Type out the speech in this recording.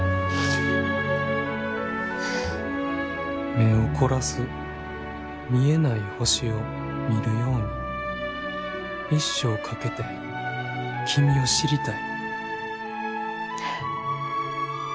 「目を凝らす見えない星を見るように一生かけて君を知りたい」。